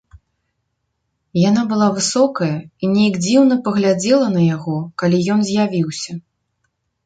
Яна была высокая і нейк дзіўна паглядзела на яго, калі ён з'явіўся.